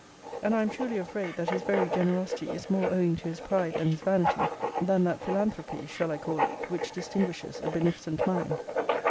And I am truly afraid, that his very generosity is more owing to his pride and his vanity, that that philanthropy (shall I call it?) which distinguishes a beneficent mind.